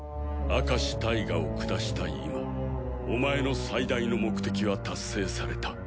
明石タイガを下した今お前の最大の目的は達成された。